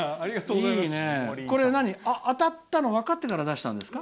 これ、当たったの分かってから出したんですか？